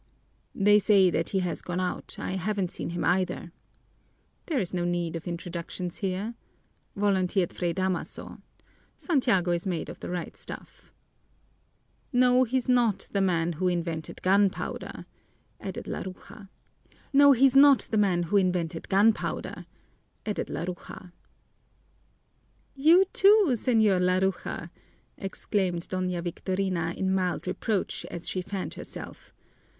"They say that he has gone out. I haven't seen him either." "There's no need of introductions here," volunteered Fray Damaso. "Santiago is made of the right stuff." "No, he's not the man who invented gunpowder," added Laruja. "You too, Señor Laruja," exclaimed Doña Victorina in mild reproach, as she fanned herself.